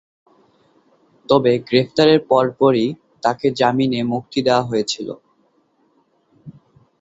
তবে, গ্রেফতারের পরপরই তাকে জামিনে মুক্তি দেয়া হয়েছিল।